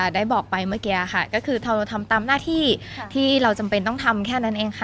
ได้บอกไปเมื่อกี้ค่ะก็คือเราทำตามหน้าที่ที่เราจำเป็นต้องทำแค่นั้นเองค่ะ